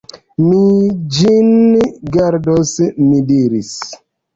Mi ĝin gardos, mi diris.